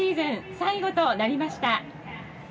最後となりました。